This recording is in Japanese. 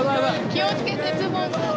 気をつけてズボン。